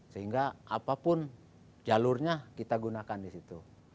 sehingga apapun jalurnya kita gunakan disitu